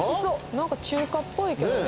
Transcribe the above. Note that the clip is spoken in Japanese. なんか中華っぽいけどね。